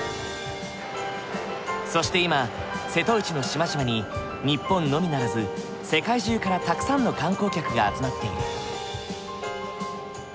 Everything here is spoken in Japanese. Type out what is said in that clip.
そして今瀬戸内の島々に日本のみならず世界中からたくさんの観光客が集まっている。